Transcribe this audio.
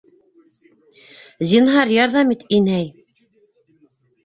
Зинһар, ярҙам ит, инәй...